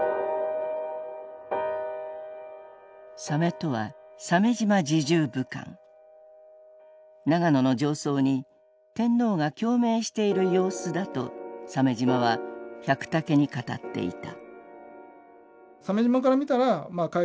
「鮫」とは永野の上奏に天皇が「共鳴」している様子だと鮫島は百武に語っていた。